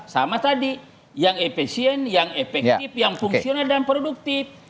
sama tadi yang efisien yang efektif yang fungsional dan produktif